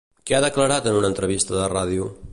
Què ha declarat en una entrevista de ràdio?